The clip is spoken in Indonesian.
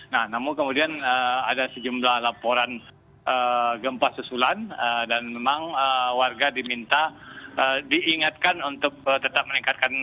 nah namun kemudian ada sejumlah laporan gempa susulan dan memang warga diminta diingatkan untuk tetap meningkatkan